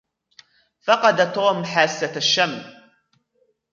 فقد توم حاسة الشم.